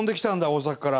大阪から。